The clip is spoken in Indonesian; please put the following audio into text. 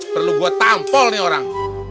perlu buat tampol nih orang